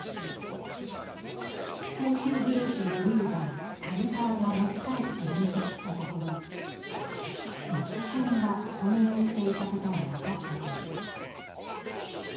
研究グループのリーダー・谷川が持ち帰って分析したところ、土器片が混入していたことが分かったという。